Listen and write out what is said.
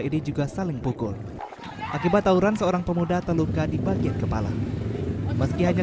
ini juga saling pukul akibat tawuran seorang pemuda terluka di bagian kepala meski agak